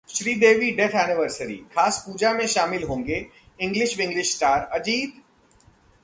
Sridevi death anniversary: खास पूजा में शामिल होंगे इंग्लिश-विंग्लिश स्टार अजीत?